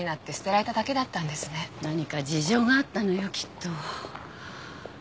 何か事情があったのよきっと。